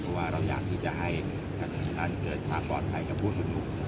เพราะว่าเราอยากที่จะให้การประชุมนั้นเกิดความปลอดภัยกับผู้สุดหนูครับ